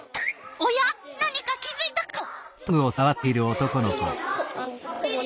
おや何か気づいたカモ！